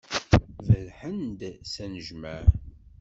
Berrḥen-d s anejmaɛ.